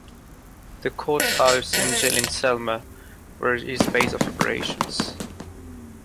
The courthouse and jail in Selmer were his base of operations.